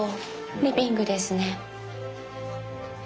リビングですね。